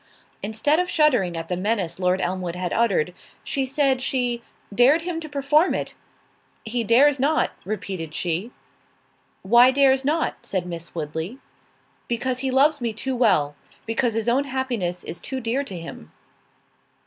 Instead of shuddering at the menace Lord Elmwood had uttered, she said, she "Dared him to perform it." "He dares not," repeated she. "Why dares not?" said Miss Woodley. "Because he loves me too well—because his own happiness is too dear to him."